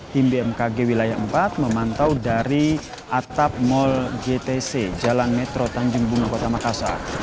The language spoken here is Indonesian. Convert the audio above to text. tim bmkg wilayah empat memantau dari atap mall gtc jalan metro tanjung bunga kota makassar